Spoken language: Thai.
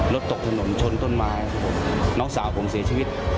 รถตกถนนชนต้นไม้น้องสาวผมเสียชีวิต